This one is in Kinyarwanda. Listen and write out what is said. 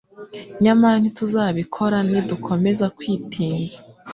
nyamara ntituzabikora nidukomeza kwi tinza